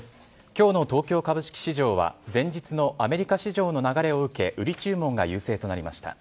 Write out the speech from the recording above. きょうの東京株式市場は、前日のアメリカ市場の流れを受け、売り注文が優勢となりました。